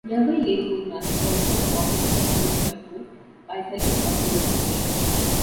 Nearby Lake Kournas is also a popular excursion by foot, bicycle or tourist 'train'.